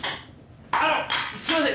あっすいません